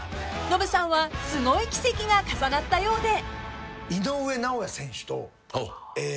［ノブさんはすごい奇跡が重なったようで］